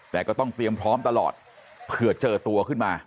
แต่ก็ต้องเตรียมพร้อมตลอดเผื่อเจอตัวขึ้นมา